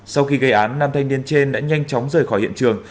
sau khi gây án nam thanh niên trên đã nhanh chóng rời khỏi hiện trường